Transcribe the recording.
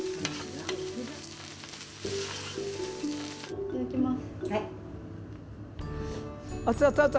いただきます。